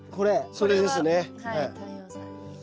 それですね。